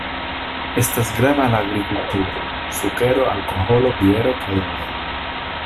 Estas grava la agrikulturo: sukero, alkoholo, biero kaj oleo.